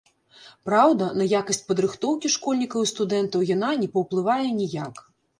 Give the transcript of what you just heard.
Праўда, на якасць падрыхтоўкі школьнікаў і студэнтаў яна не паўплывае ніяк.